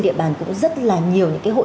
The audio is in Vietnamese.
địa bàn cũng rất là nhiều những cái hội